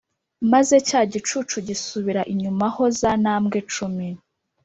maze cya gicucu gisubira inyuma ho za ntambwe cumi.